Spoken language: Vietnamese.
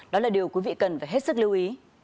đó là điều quý vị cần phải hết sức lưu ý